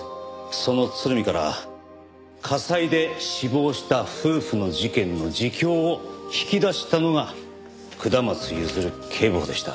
その鶴見から火災で死亡した夫婦の事件の自供を引き出したのが下松譲警部補でした。